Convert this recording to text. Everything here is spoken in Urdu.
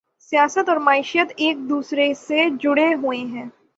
سیاست اور معیشت ایک دوسرے سے جڑے ہوئے ہیں